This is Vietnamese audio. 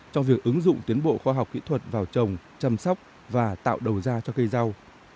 trong việc ứng dụng tiến bộ khoa học kỹ thuật vào trồng chăm sóc và tạo đầu ra cho cây rau